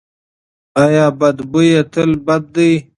ایا بد بوی تل بد دی؟